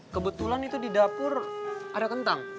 kebetulan itu di dapur ada kentang